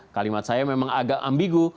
kalimat saya memang agak ambigu